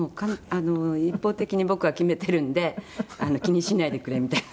一方的に「僕は決めてるんで気にしないでくれ」みたいな。